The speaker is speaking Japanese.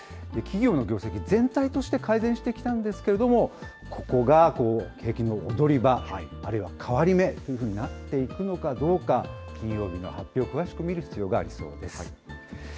企業の業績全体として改善してきたんですけれども、ここが景気の踊り場、あるいは変わり目というふうになっていくのかどうか、金曜日の発表を詳しく見る必要がありそうです。